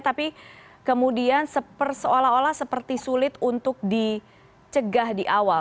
tapi kemudian seolah olah seperti sulit untuk dicegah di awal